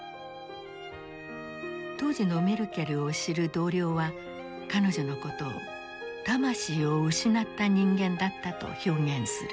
当時のメルケルを知る同僚は彼女のことを「魂を失った人間」だったと表現する。